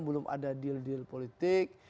belum ada deal deal politik